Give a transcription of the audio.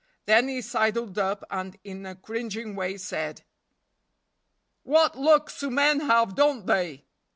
Then he sidled up, and in a cringing way said: "What luck some men have, don't they?"